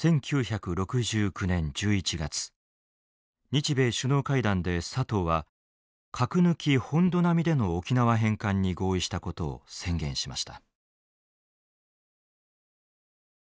日米首脳会談で佐藤は「核抜き・本土並み」での沖縄返還に合意したことを宣言しました。